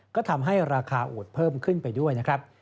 ก็ทำให้ราคาอูดเพิ่มขึ้นไปด้วยนะครับ